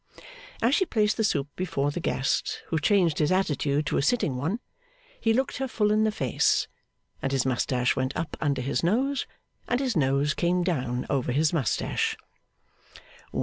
As she placed the soup before the guest, who changed his attitude to a sitting one, he looked her full in the face, and his moustache went up under his nose, and his nose came down over his moustache.